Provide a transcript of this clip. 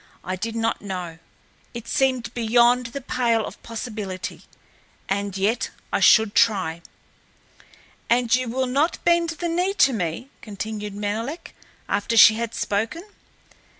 I did not know. It seemed beyond the pale of possibility, and yet I should try. "And you will not bend the knee to me?" continued Menelek, after she had spoken.